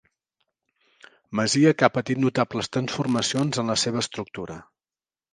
Masia que ha patit notables transformacions en la seva estructura.